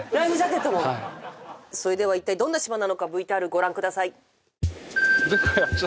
はいそれでは一体どんな島なのかＶＴＲご覧ください